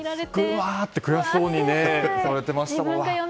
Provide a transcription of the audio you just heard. うわー！って悔しそうにしてましたね。